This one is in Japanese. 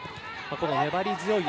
粘り強い